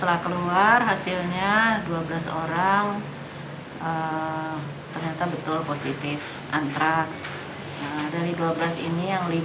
ada enam belas yang bisa diambil ya beberapa waktu yang lalu